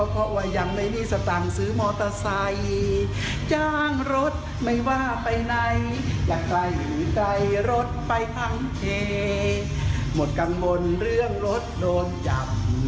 ใกล้อยู่ใกล้รถไปพังเทหมดกังบลเรื่องรถโดนจำ